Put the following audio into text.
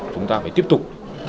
chúng ta phải tiếp tục